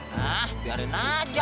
hah biarin aja